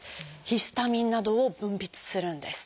「ヒスタミン」などを分泌するんです。